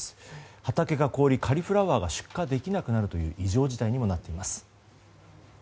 畑が凍りカリフラワーが出荷できなくなるという異常事態にもなっています。